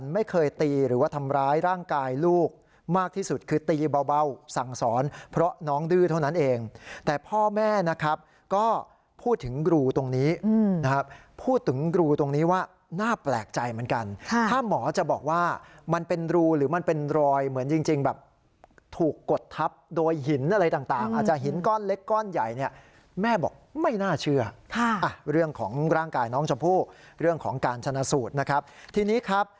เบาสั่งสอนเพราะน้องดื้อเท่านั้นเองแต่พ่อแม่นะครับก็พูดถึงรูตรงนี้นะครับพูดถึงรูตรงนี้ว่าน่าแปลกใจเหมือนกันถ้าหมอจะบอกว่ามันเป็นรูหรือมันเป็นรอยเหมือนจริงแบบถูกกดทับโดยหินอะไรต่างอาจจะหินก้อนเล็กก้อนใหญ่เนี่ยแม่บอกไม่น่าเชื่อเรื่องของร่างกายน้องชมผู้เรื่องของการชนสูตรนะครั